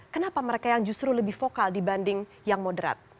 kenapa mereka yang justru lebih vokal dibanding yang moderat